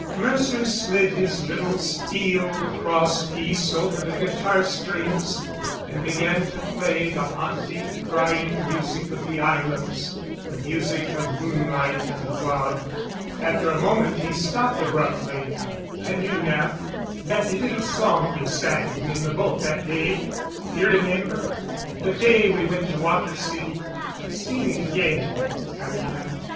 Mercer slid his little steel cross piece over the guitar strings and began to play the haunting, crying music of the islands, the music of moonlight and love. After a moment he stopped abruptly. "Anina, that little song you sang in the boat that day you remember the day we went to the Water City? Sing it again, Anina."